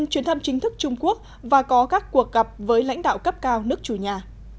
chuyến thăm chính thức trung quốc và có các cuộc gặp với lãnh đạo cấp cao nước chủ nhà